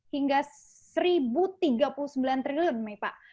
hingga seribu tiga puluh sembilan triliun nih pak